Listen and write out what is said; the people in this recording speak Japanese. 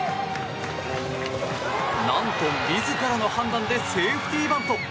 なんと自らの判断でセーフティーバント。